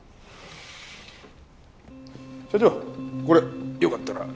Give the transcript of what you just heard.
社長これよかったらどうぞ。